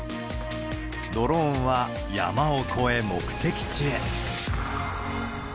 ドローンは山を越え、目的地へ。